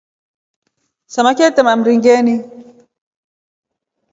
Samaki atema mringeni.